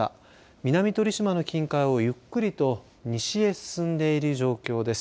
南鳥島の近海をゆっくりと西へ進んでいる状況です。